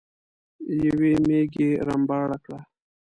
يوې ميږې رمباړه کړه.